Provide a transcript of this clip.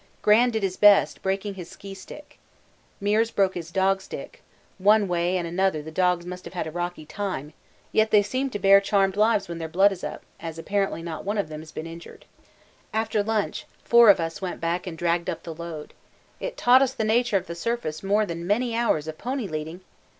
Gran did his best, breaking his ski stick. Meares broke his dog stick one way and another the dogs must have had a rocky time, yet they seemed to bear charmed lives when their blood is up, as apparently not one of them has been injured. After lunch four of us went back and dragged up the load. It taught us the nature of the surface more than many hours of pony leading!!